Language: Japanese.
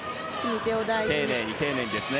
丁寧に、丁寧にですね。